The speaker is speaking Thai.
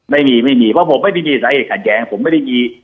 ไม่มีไม่มีเพราะผมไม่มีสาเหตุขัดแย้งผมไม่ได้มี